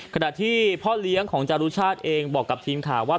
ขณะที่พ่อเลี้ยงของจารุชาติเองบอกกับทีมข่าวว่า